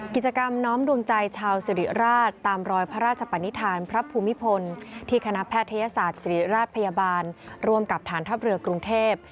กิจกรรมน้อมดวงใจชาวสิริราชตามรอยพระราชปนิษฐานพระภูมิพลที่คณะแพทยศาสตร์ศิริราชพยาบาลร่วมกับฐานทัพเรือกรุงเทพ